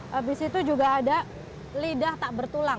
habis itu juga ada lidah tak bertulang